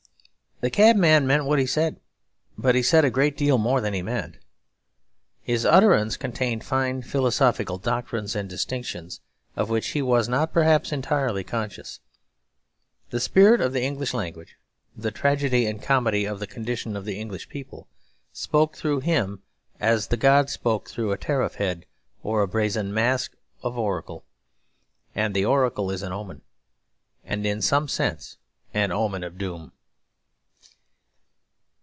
The cabman meant what he said; but he said a great deal more than he meant. His utterance contained fine philosophical doctrines and distinctions of which he was not perhaps entirely conscious. The spirit of the English language, the tragedy and comedy of the condition of the English people, spoke through him as the god spoke through a teraph head or brazen mask of oracle. And the oracle is an omen; and in some sense an omen of doom.